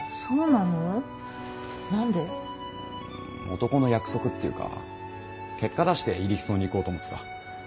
男の約束っていうか結果出して入日荘に行こうと思ってた。